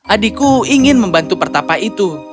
adikku ingin membantu pertapa itu